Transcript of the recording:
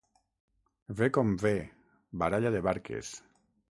Ve com ve, baralla de barques.